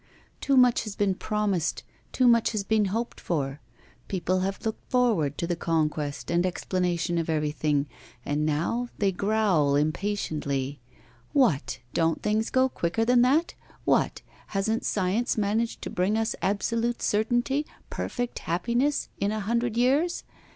Too much has been promised, too much has been hoped for; people have looked forward to the conquest and explanation of everything, and now they growl impatiently. What! don't things go quicker than that? What! hasn't science managed to bring us absolute certainty, perfect happiness, in a hundred years?